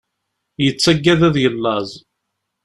Yettaggad ad yellaẓ.